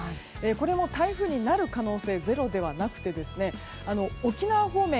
これも台風になる可能性がゼロではなくて沖縄方面